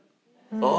ああ。